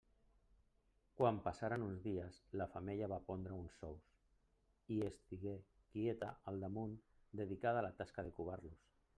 Quan passaren uns dies, la femella va pondre uns ous i estigué quieta al damunt, dedicada a la tasca de covar-los.